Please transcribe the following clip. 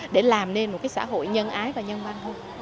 để làm nên một xã hội nhân ái và nhân văn hơn